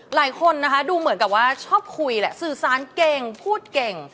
หลายคนนะคะดูเหมือนกับว่าชอบคุยแหละสื่อสารเก่งพูดเก่ง